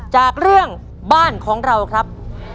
จากเรื่องบ้านของเราครับ